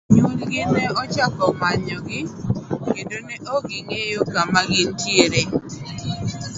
Jonyuol gi ne ochako manyo gi kendo ne ok ging'eyo kama gintiere.